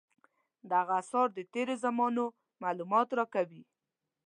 دغه اثار د تېرو زمانو معلومات راکوي.